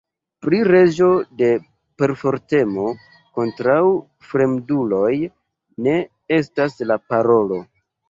Pri reĝo de perfortemo kontraŭ fremduloj ne estas la parolo.